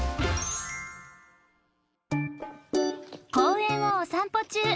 公園をお散歩中